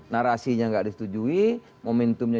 narasinya tidak disetujui momentumnya